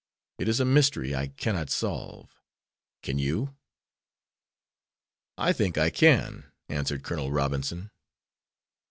It is a mystery I cannot solve. Can you?" "I think I can," answered Col. Robinson.